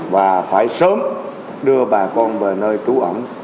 và phải sớm đưa bà con về nơi trú ẩn